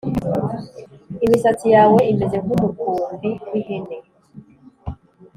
Imisatsi yawe imeze nk’umukumbi w’ihene